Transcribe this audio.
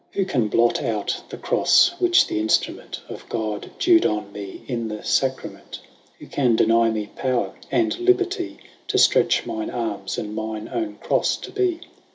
Who can blot out the Crofle, which th'inftrument 15 Of God, dew'd on mee in the Sacrament ? Who can deny mee power, and liberty To ftretch mine armes, and mine owne CroiTe to be?